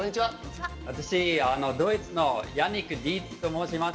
私はドイツのヤニック・ディーツと申します。